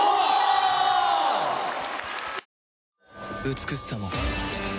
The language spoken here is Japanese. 美しさも